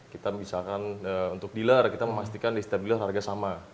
kita misalkan untuk dealer kita memastikan di setiap dealer harga sama